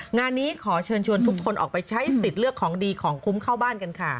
งานนี้ขอเชิญชวนทุกคนออกไปใช้สิทธิ์เลือกของดีของคุ้มเข้าบ้านกันค่ะ